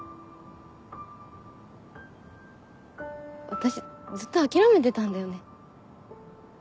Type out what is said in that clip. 私ずっと諦めてたんだよね。